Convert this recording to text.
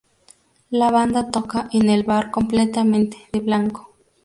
La banda toca en el bar completamente de blanco.